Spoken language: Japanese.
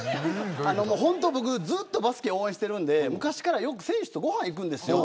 ずっとバスケ応援してるんで昔から選手とよくご飯行くんですよ。